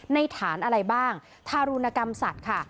ฐานอะไรบ้างทารุณกรรมสัตว์ค่ะ